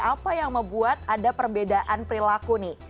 apa yang membuat ada perbedaan perilaku nih